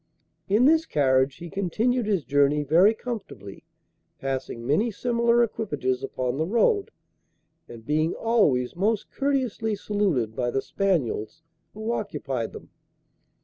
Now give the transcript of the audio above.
In this carriage he continued his journey very comfortably, passing many similar equipages upon the road, and being always most courteously saluted by the spaniels who occupied them.